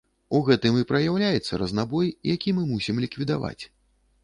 У гэтым і праяўляецца разнабой, які мы мусім ліквідаваць.